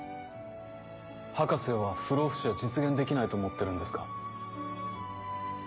博士は不老不死は実現できないと思ってるんですか？